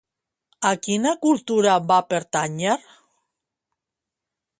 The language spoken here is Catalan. A quina cultura va pertànyer?